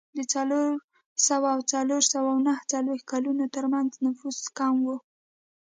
د څلور سوه او څلور سوه نهه څلوېښت کلونو ترمنځ نفوس کم و.